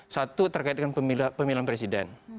satu terkait dengan pemilihan presiden